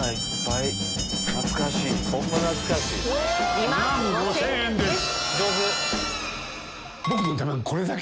２万５０００円です。